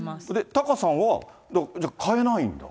タカさんは、じゃあ、買えないんだ？